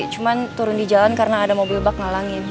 cuma turun di jalan karena ada mobil bak ngalangin